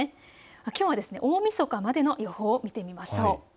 きょうは大みそかまでの予報を見ていきましょう。